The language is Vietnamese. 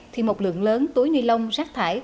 thì một lượng lớn túi ni lông rác thải